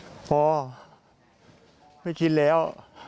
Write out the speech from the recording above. อะครูพ่อไม่กินแล้ว